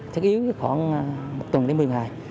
thực yếu khoảng một tuần đến một mươi ngày